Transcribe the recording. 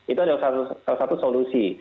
itu adalah salah satu solusi